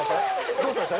どうしました？